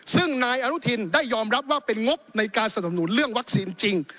ซึ่งนายอนุทินได้ยอมรับว่าเป็นงบในการสนับสนุนเรื่องวัคซีนจริง